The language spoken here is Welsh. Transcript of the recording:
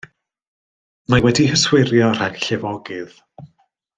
Mae wedi'i hyswirio rhag llifogydd.